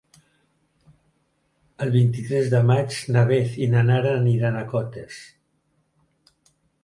El vint-i-tres de maig na Beth i na Nara aniran a Cotes.